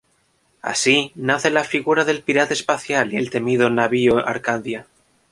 Así, nace la figura del Pirata Espacial y el temido navío Arcadia.